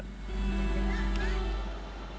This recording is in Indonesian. sejak beberapa tahun terakhir